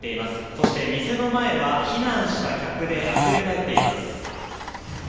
そして、店の前は避難した客であふれかえっています。